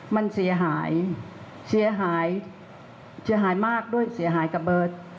มันเสียหายเสียหายเสียหายมากด้วยเสียหายกับเบิร์ต